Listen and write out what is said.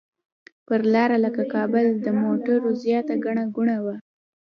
پر لاره لکه کابل د موټرو زیاته ګڼه ګوڼه وه.